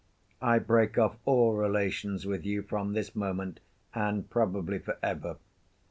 I break off all relations with you from this moment and probably for ever.